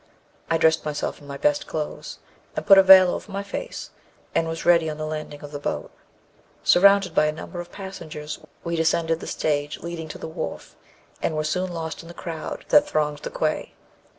I dressed myself in my best clothes, and put a veil over my face, and was ready on the landing of the boat. Surrounded by a number of passengers, we descended the stage leading to the wharf, and were soon lost in the crowd that thronged the quay.